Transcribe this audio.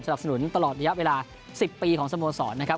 สนุนตลอดระยะเวลา๑๐ปีของสโมสรนะครับ